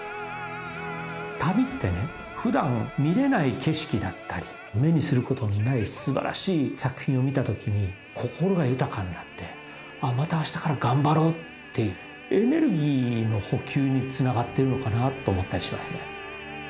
旅ってね普段見れない景色だったり目にすることのない素晴らしい作品を見たときに心が豊かになってまたあしたから頑張ろうってエネルギーの補給につながってるのかなと思ったりしますね。